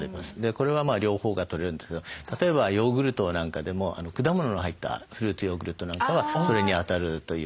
これは両方がとれるんですけど例えばヨーグルトなんかでも果物の入ったフルーツヨーグルトなんかはそれにあたるということが言われてます。